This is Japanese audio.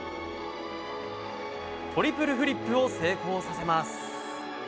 トリプルフリップを成功させます。